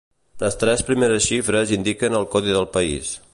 Les tres primeres xifres indiquen el codi del país.